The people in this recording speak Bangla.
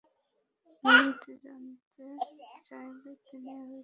অনুভূতি জানতে চাইলে তিনি আরও দুই বছর বাঁচার আগ্রহ প্রকাশ করেন।